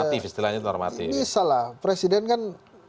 ini salah presiden kan